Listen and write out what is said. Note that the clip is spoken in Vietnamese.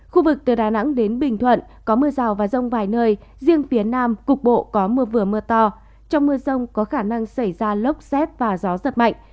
khu vực từ đà nẵng đến bình thuận có mưa rào và rông vài nơi riêng phía nam cục bộ có mưa vừa mưa to trong mưa rông có khả năng xảy ra lốc xét và gió giật mạnh